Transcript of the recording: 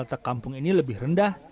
karena letak kampung ini lebih rendah